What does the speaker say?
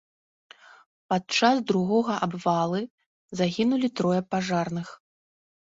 Падчас другога абвалы загінулі трое пажарных.